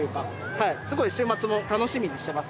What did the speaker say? はいすごい週末も楽しみにしてますね。